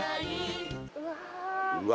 うわ